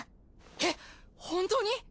えっ本当に？